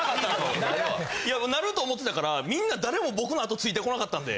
なると思ってたから皆誰も僕のあとついてこなかったんで。